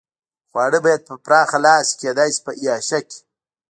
خواړه باید په پراخه لاس وي، کېدای شي په اعاشه کې.